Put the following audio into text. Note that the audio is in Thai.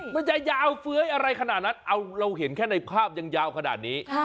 มันจะยาวเฟ้ยอะไรขนาดนั้นเอาเราเห็นแค่ในภาพยังยาวขนาดนี้